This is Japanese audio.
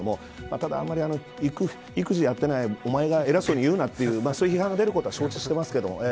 ただ、あんまり育児をやってないおまえが偉そうに言うなというそういう批判が出ることは承知してますけど。